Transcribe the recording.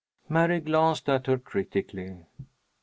Mary glanced at her critically.